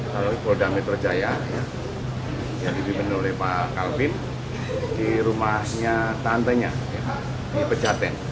kalau polda metro jaya yang dipimpin oleh pak kalvin di rumahnya tantenya di pejaten